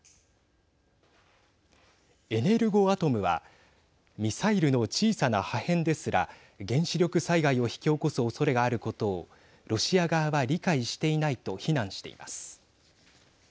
エネルゴアトムはミサイルの小さな破片ですら原子力災害を引き起こすおそれがあることをロシア側は理解していないと非難しています。